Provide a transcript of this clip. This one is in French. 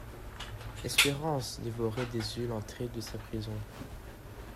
Espérance dévorait des yeux l'entrée de sa prison.